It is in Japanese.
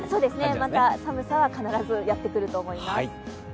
また寒さは必ずやってくると思います。